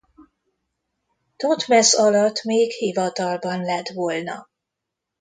Thotmesz alatt még hivatalban lett volna.